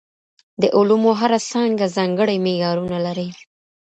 د علومو هره څانګه ځانګړي معیارونه لري.